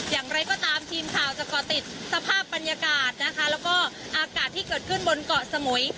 อย่างไรก็ตามทีมข่าวจะก่อติดสภาพบรรยากาศนะคะแล้วก็อากาศที่เกิดขึ้นบนเกาะสมุย